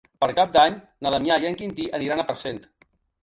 Per Cap d'Any na Damià i en Quintí aniran a Parcent.